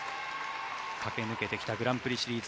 駆け抜けてきたグランプリシリーズ。